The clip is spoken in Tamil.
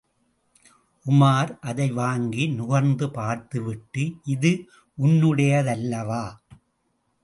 உமார், அதை வாங்கி நுகர்ந்து பார்த்துவிட்டு, இது உன்னுடையதல்லவா?